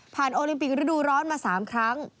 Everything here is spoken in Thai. โอลิมปิกฤดูร้อนมา๓ครั้ง